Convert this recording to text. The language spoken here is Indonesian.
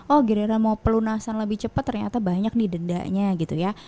oh girena mau pelunasan lebih cepat ternyata banyak didedaknya gitu ya